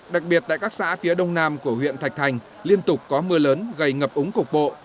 đặc biệt tại các xã phía đông nam của huyện thạch thành liên tục có mưa lớn gây ngập úng cục bộ